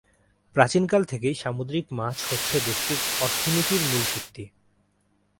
প্রাচীনকাল থেকেই সামুদ্রিক মাছ হচ্ছে দেশটির অর্থনীতির মূল ভিত্তি।